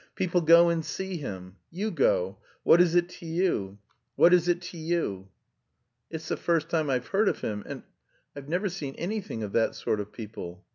People go and see him. You go. What is it to you? What is it to you?" "It's the first time I've heard of him, and... I've never seen anything of that sort of people.